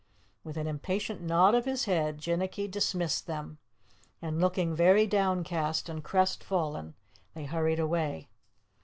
With an impatient nod of his head, Jinnicky dismissed them and, looking very downcast and crest fallen, they hurried away.